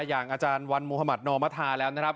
อย่างอาจารย์วันมุธมัธนอมธาแล้วนะครับ